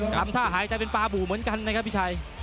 ทำท่าหายใจเป็นปลาบู่เหมือนกันนะครับพี่ชัย